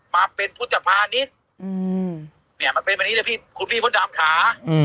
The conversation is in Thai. มาเป็นผู้จัดผ่านนี้มันเป็นวันนี้เลยครูพี่พ่อดำขา